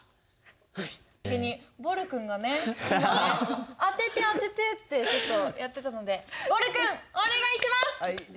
ぼる君がね「当てて当てて」ってちょっとやってたのでぼる君お願いします！